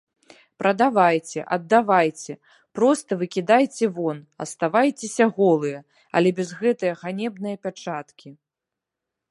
Прадавайце, аддавайце, проста выкідайце вон, аставайцеся голыя, але без гэтае ганебнае пячаткі.